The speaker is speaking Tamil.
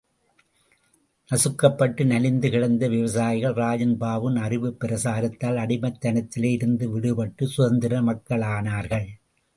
நசுக்கப்பட்டு நலிந்து கிடந்த விவசாயிகள், ராஜன் பாபுவின் அறிவுப் பிரச்சாரத்தால் அடிமைத்தனத்திலே இருந்து விடுபட்டு சுதந்தர மக்களானார்கள்.